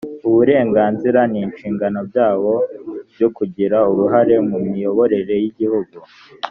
uburenganzira n inshingano byabo byo kugira uruhare mu miyoborere y igihugu